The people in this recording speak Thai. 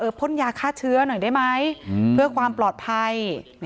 พ่นยาฆ่าเชื้อหน่อยได้ไหมเพื่อความปลอดภัย